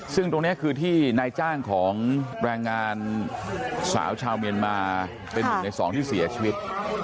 ซึ่งตรงนี้คือที่นายจ้างของแรงงานสาวชาวเมียนมาเป็นหนึ่งในสองที่เสียชีวิต